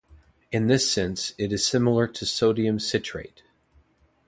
In this sense, it is similar to sodium citrate.